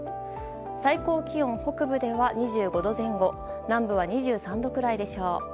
最高気温、北部では２５度前後南部は２３度くらいでしょう。